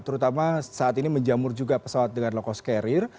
terutama saat ini menjamur juga pesawat dengan low cost carrier